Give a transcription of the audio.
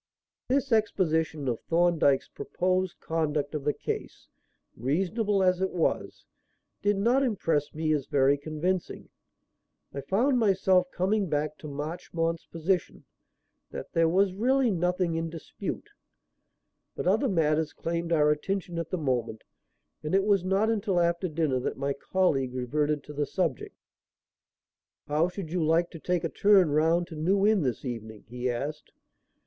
This exposition of Thorndyke's proposed conduct of the case, reasonable as it was, did not impress me as very convincing. I found myself coming back to Marchmont's position, that there was really nothing in dispute. But other matters claimed our attention at the moment, and it was not until after dinner that my colleague reverted to the subject. "How should you like to take a turn round to New Inn this evening?" he asked.